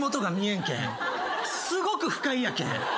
すごく不快やけん。